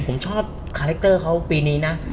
ผมชอบคาแรคเตอร์เขาปีนี้นะ